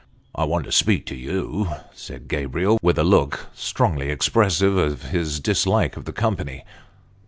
" I want to speak to you," said Gabriel, with a look strongly ex pressive of his dislike of the company.